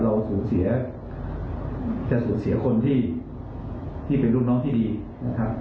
เราสูญเสียจะสูญเสียคนที่เป็นรุ่นน้องที่ดีนะครับ